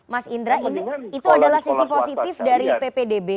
mas indra itu adalah sisi positif dari ppdb